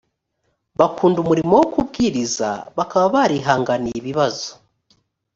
bakunda umurimo wo kubwiriza bakaba barihanganiye ibibazo